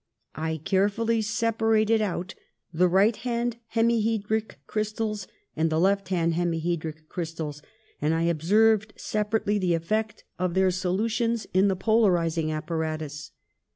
I carefully separated out the right hand hemihedric crystals and the left hand hemihedric crystals, and I observed separately the effect of their solutions in the polarising apparatus.